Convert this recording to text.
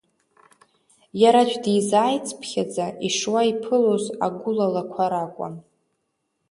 Иара аӡә дизааицԥхьаӡа ишуа иԥылоз агәыла лақәа ракәын.